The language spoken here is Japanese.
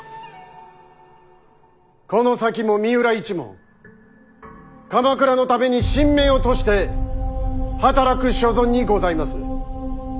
この先も三浦一門鎌倉のために身命を賭して働く所存にございます。